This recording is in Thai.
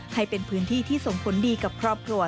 ให้เป็นพื้นที่ที่ส่งผลดีกับครอบครัว